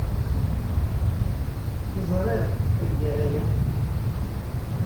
Teẓriḍ-t tagara-a?